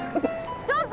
ちょっと。